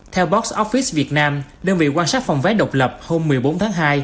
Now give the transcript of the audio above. theo box office việt nam đơn vị quan sát phòng váy độc lập hôm một mươi bốn tháng hai